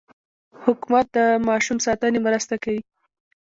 حکومت د ماشوم ساتنې مرسته کوي.